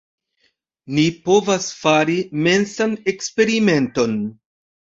Ni povas fari mensan eksperimenton.